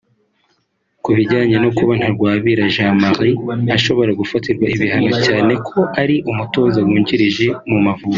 Ku bijyanye no kuba Ntagwabira Jean Marie ashobora gufatirwa ibihano cyane ko ari umutoza wungirije mu Mavubi